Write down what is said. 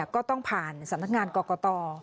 ก็ต้องผ่านสำนักงานกรกต